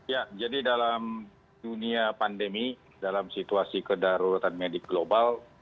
ya jadi dalam dunia pandemi dalam situasi kedaruratan medik global